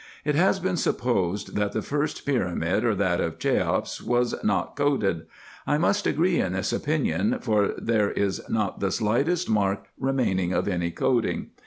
It has been supposed, that the first pyramid, or that of Cheops, 280 RESEARCHES AND OPERATIONS was not coated. I must agree in this opinion, for there is not the slightest mark remaining of any coating.